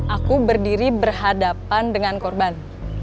aku berdiri berhadapan dengan korban